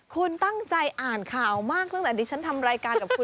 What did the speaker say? คุณตั้งใจอ่านข่าวมากตั้งแต่ดิฉันทำรายการกับคุณ